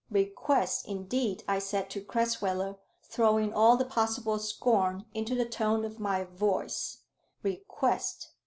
"Request indeed," I said to Crasweller, throwing all possible scorn into the tone of my voice, "request!